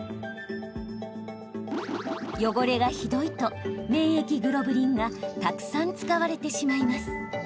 汚れがひどいと免疫グロブリンがたくさん使われてしまいます。